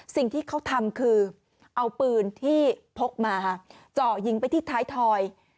สิ่งที่เขาทำคือเอาปืนที่พกมาเจาะยิงไปที่ท้ายถอย